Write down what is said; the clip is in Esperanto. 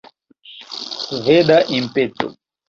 Sveda impeto!